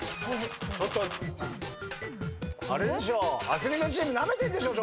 あれでしょ？